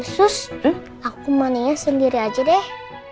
sus aku mania sendiri aja deh